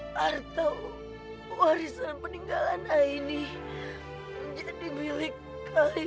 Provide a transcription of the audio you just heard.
warta warisan peninggalan aini menjadi milik kalian